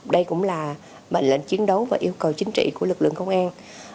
đây cũng là mệnh lệnh chiến đấu và yêu cầu chính trị của lực lượng công an